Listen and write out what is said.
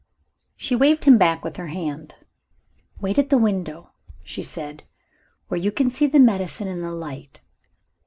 She waved him back with her hand. "Wait at the window," she said, "where you can see the medicine in the light."